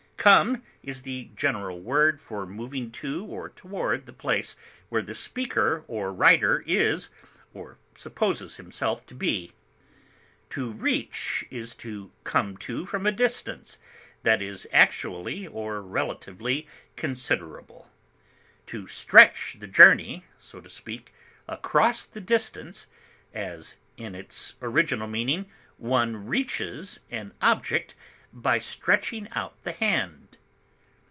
Come is the general word for moving to or toward the place where the speaker or writer is or supposes himself to be. To reach is to come to from a distance that is actually or relatively considerable; to stretch the journey, so to speak, across the distance, as, in its original meaning, one reaches an object by stretching out the hand.